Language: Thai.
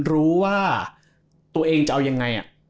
รู้ว่าตัวเองจะเอายังไง